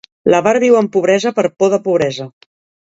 L'avar viu en pobresa per por de pobresa.